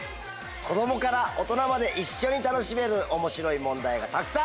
子供から大人まで一緒に楽しめる面白い問題がたくさん！